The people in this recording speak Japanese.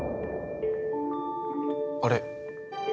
あれ？